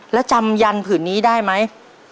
แล้วจำยันผืนนี้ได้ไหม